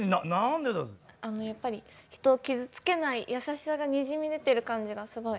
やっぱり人を傷つけない優しさがにじみ出てる感じがすごい。